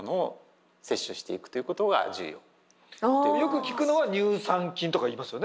よく聞くのは乳酸菌とかいいますよね。